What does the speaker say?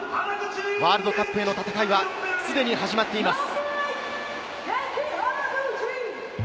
ワールドカップへの戦いはすでに始まっています。